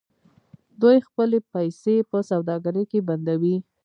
دوی خپلې پیسې په سوداګرۍ کې بندوي.